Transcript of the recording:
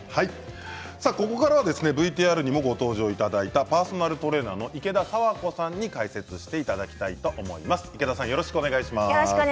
ここからはＶＴＲにご登場いただいたパーソナルトレーナーの池田佐和子さんに解説していただきます。